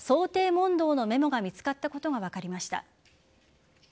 問答のメモが見つかったことが分かりました。